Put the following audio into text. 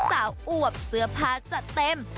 สาวอวบเสื้อผ้าจะเต็ม